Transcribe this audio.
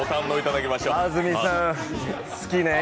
安住さん、好きねえ。